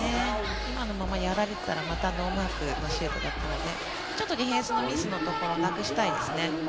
今のままやられてたらノーマークのシュートだったのでディフェンスのミスをなくしたいですね。